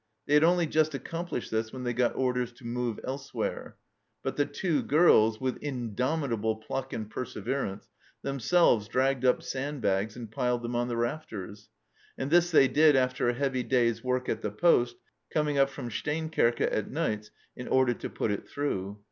They had only just accomplished this when they got orders to move elsewhere. But the two girls, with indomitable pluck and perseverance, themselves dragged up sandbags and piled them on the rafters ; and this they did after a heavy day's work at the poste, coming up from Steenkerke at nights in order to put it through.